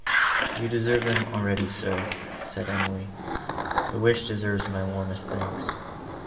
"You deserve them already, sir," said Emily; "the wish deserves my warmest thanks.